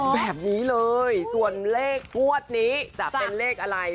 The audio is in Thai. แบบนี้เลยส่วนเลขงวดนี้จะเป็นเลขอะไร